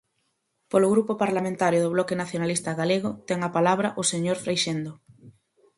Polo Grupo Parlamentario do Bloque Nacionalista Galego, ten a palabra o señor Freixendo.